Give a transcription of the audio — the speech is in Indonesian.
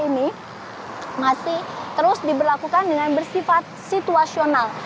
ini masih terus diberlakukan dengan bersifat situasional